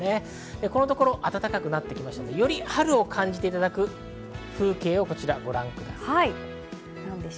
このところ暖かくなってきましたので、春を感じていただく風景をご覧ください。